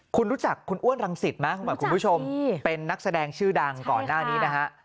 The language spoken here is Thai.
คุณรู้จักคุณอ้วนรังสิตไหมคุณผู้ชมเป็นนักแสดงชื่อดังก่อนหน้านี้นะฮะ